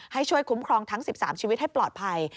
ให้ช่วยคุ้มครองทั้ง๑๓ชีวิตให้ปลอดภัย